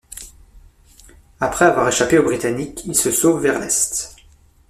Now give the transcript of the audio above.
Après avoir échappé aux Britanniques, il se sauve vers l'Est.